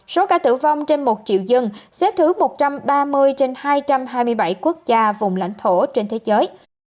số ca tử vong trên một triệu dân xếp thứ một trăm ba mươi trên hai trăm hai mươi bảy quốc gia vùng lãnh thổ trên thế giới